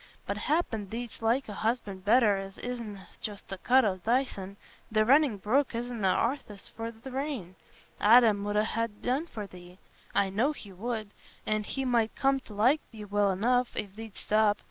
But happen, thee'dst like a husband better as isna just the cut o' thysen: the runnin' brook isna athirst for th' rain. Adam 'ud ha' done for thee—I know he would—an' he might come t' like thee well enough, if thee'dst stop.